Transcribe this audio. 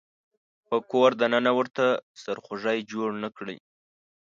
په کور د ننه ورته سرخوږی جوړ نه کړي.